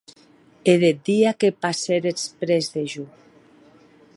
E deth dia que passéretz près de jo?